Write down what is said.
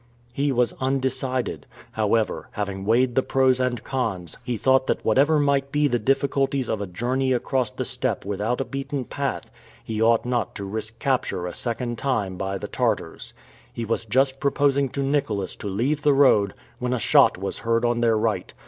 He was undecided. However, having weighed the pros and cons, he thought that whatever might be the difficulties of a journey across the steppe without a beaten path, he ought not to risk capture a second time by the Tartars. He was just proposing to Nicholas to leave the road, when a shot was heard on their right.